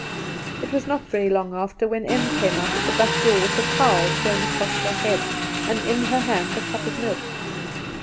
It was not very long after when Em came out at the back door with a towel thrown across her head, and in her hand a cup of milk.